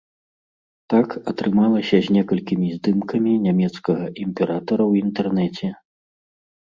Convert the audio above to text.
Так атрымалася з некалькімі здымкамі нямецкага імператара ў інтэрнэце.